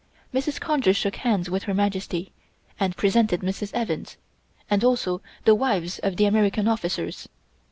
Mrs. Conger shook hands with Her Majesty and presented Mrs. Evans and also the wives of the American officers.